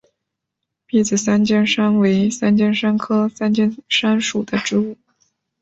篦子三尖杉为三尖杉科三尖杉属的植物。